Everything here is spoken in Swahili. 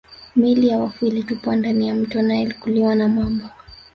Miili ya wafu ilitupwa ndani ya mto Nile kuliwa na mamba